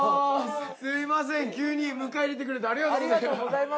すみません急に迎え入れてくれてありがとうございます。